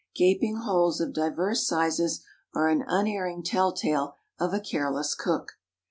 Gaping holes of diverse sizes are an unerring tell tale of a careless cook.